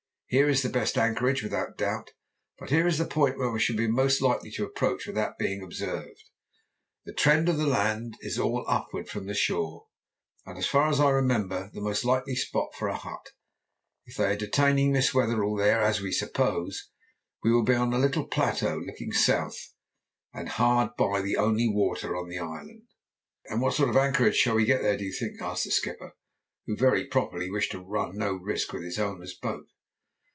Here is the best anchorage, without doubt, but here is the point where we shall be most likely to approach without being observed. The trend of the land is all upward from the shore, and, as far as I remember, the most likely spot for a hut, if they are detaining Miss Wetherell there, as we suppose, will be on a little plateau looking south, and hard by the only water on the island." "And what sort of anchorage shall we get there, do you think?" asked the skipper, who very properly wished to run no risk with his owner's boat.